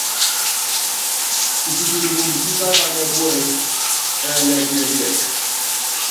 Kisikili muundɔ pitákanɛ́ puɛ́yí, ɛɛlɛ tiɛkiɛ?